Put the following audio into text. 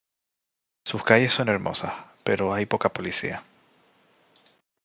Sus calles son hermosas; pero hay poca policía.